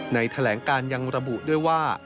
แถลงการยังระบุด้วยว่า